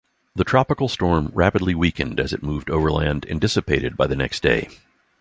The tropical storm rapidly weakened as it moved overland and dissipated the next day.